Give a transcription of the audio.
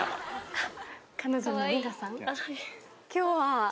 あっ！